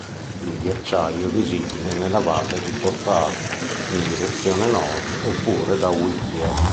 Il ghiacciaio è visibile dalla valle di Portage, in direzione nord oppure da Whittier.